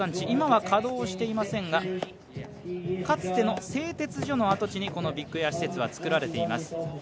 今は稼働していませんがかつての製鉄所の跡地にこの施設はつくられています。